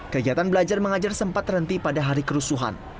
kegiatan belajar mengajar sempat terhenti pada hari kerusuhan